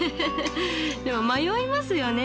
でも迷いますよね？